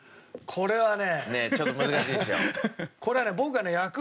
これはね